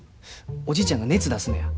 おじいちゃんが熱出すのや。